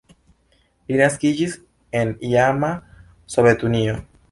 Li naskiĝis en iama Sovetunio.